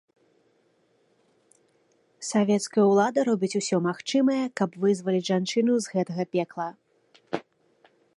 Савецкая ўлада робіць усё магчымае, каб вызваліць жанчыну з гэтага пекла.